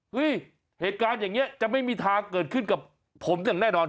เหตุการณ์อย่างนี้จะไม่มีทางเกิดขึ้นกับผมอย่างแน่นอน